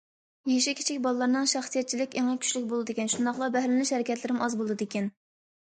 يېشى كىچىك بالىلارنىڭ‹‹ شەخسىيەتچىلىك›› ئېڭى كۈچلۈك بولىدىكەن، شۇنداقلا بەھرىلىنىش ھەرىكەتلىرىمۇ ئاز بولىدىكەن.